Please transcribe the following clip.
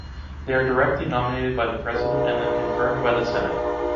They are directly nominated by the President and then confirmed by the Senate.